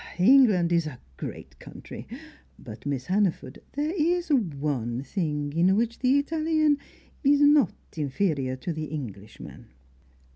England is a great country! But, Miss Hannaford, there is one thing in which the Italian is not inferior to the Englishman.